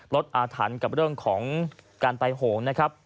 ลดอาธรรณกับเรื่องของการไปหงษ์นะครับ